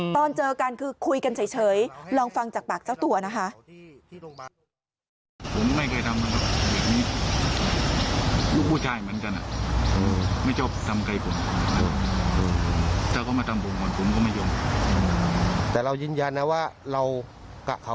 ตอนเจอกันคือคุยกันเฉยลองฟังจากปากเจ้าตัวนะคะ